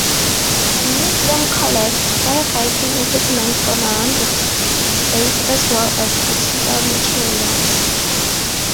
The museum collects firefighting equipment from around the state as well as archival materials.